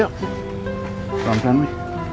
bapaknya gak mau nyanyi